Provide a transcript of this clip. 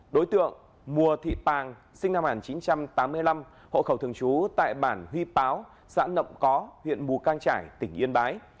đối tượng mùa thị tàng sinh năm hàn chín trăm tám mươi năm hộ khẩu thường chú tại bản huy páo xã nộng có huyện mù cang trải tỉnh yên bái